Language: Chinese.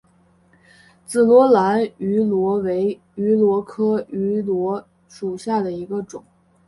紫萝兰芋螺为芋螺科芋螺属下的一个种。